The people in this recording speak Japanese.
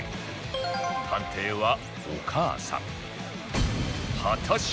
判定はお母さんよし！